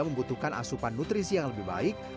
respons konsumen kita lihat cukup baik